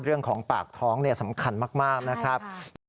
เรื่องของปากท้องเนี่ยสำคัญมากมากนะครับใช่ค่ะ